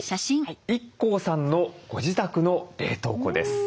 ＩＫＫＯさんのご自宅の冷凍庫です。